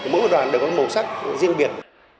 mỗi đoàn đều có màu sắc riêng biệt